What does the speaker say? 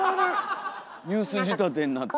ニュース仕立てになって。